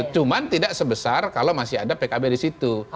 cuma tidak sebesar kalau masih ada pkb di situ